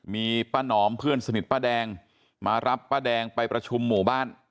มีป้าหนอมเพื่อนสนิทป้าแดงมารับป้าแดงไปประชุมหมู่บ้าน